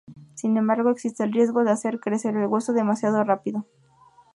Sin embargo, existe el riesgo de hacer crecer el hueso demasiado rápido.